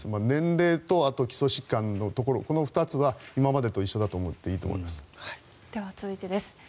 年齢とあと基礎疾患のところこの２つは今までと一緒だと思っていいと思います。